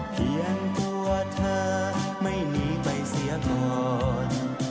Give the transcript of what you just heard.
เพียงตัวเธอไม่มีไปเสียก่อน